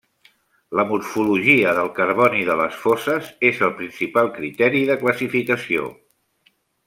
La morfologia del carboni de les foses és el principal criteri de classificació.